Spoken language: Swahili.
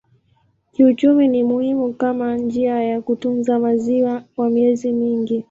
Kiuchumi ni muhimu kama njia ya kutunza maziwa kwa miezi mingi.